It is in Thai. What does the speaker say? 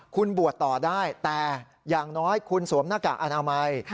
คุณบวชต่อได้แต่อย่างน้อยคุณสวมหน้ากากอนามัย